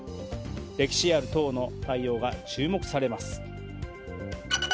歴史ある党の対応が注目されます。